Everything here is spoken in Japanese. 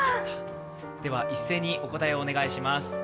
では一斉にお答えをお願いします。